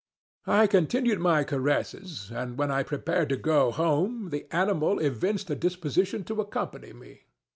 I continued my caresses, and, when I prepared to go home, the animal evinced a disposition to accompany me.